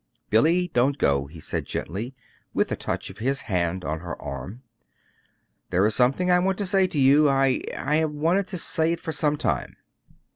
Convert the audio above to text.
"Billy, don't go," he said gently, with a touch of his hand on her arm. "There is something I want to say to you. I I have wanted to say it for some time."